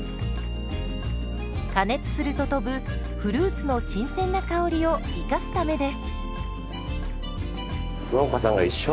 加熱すると飛ぶフルーツの新鮮な香りを生かすためです。